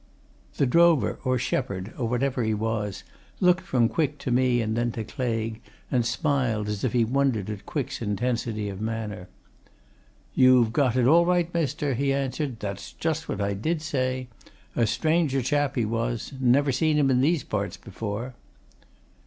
The drover, or shepherd, or whatever he was, looked from Quick to me and then to Claigue, and smiled, as if he wondered at Quick's intensity of manner. "You've got it all right, mister," he answered. "That's just what I did say. A stranger chap, he was never seen him in these parts before."